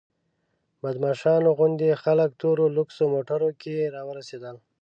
بدماشانو غوندې خلک تورو لوکسو موټرو کې راورسېدل.